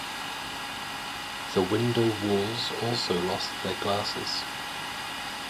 The window walls also lost their glasses.